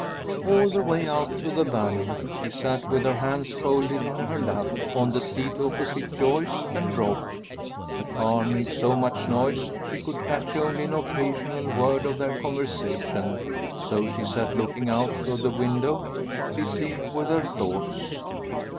All the way out to the Valley she sat with her hands folded in her lap, on the seat opposite Joyce and Rob. The car made so much noise she could catch only an occasional word of their conversation, so she sat looking out of the window, busy with her thoughts.